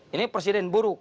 ini presiden buruk